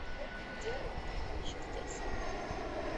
Диармид, вы еще здесь?